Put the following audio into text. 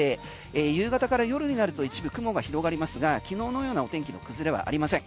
夕方から夜になると一部雲が広がりますが昨日のようなお天気の崩れはありません。